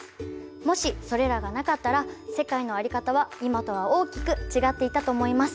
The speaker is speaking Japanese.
もしそれらがなかったら世界のあり方は今とは大きく違っていたと思います。